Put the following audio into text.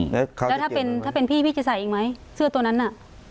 อืมแล้วเขาจะเก็บไหมแล้วถ้าเป็นพี่พี่จะใส่อีกไหมเสื้อตัวนั้นน่ะ